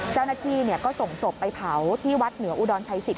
เจ้าหน้าที่ก็ส่งศพไปเผาที่วัดเหนืออุดรชัยสิทธ